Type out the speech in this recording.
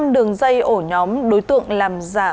năm đường dây ổ nhóm đối tượng làm giả